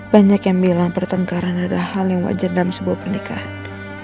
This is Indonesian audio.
banyak yang bilang pertengkaran adalah hal yang wajar dalam sebuah pernikahan